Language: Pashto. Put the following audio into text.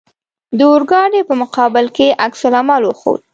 د اورګاډي په مقابل کې عکس العمل وښود.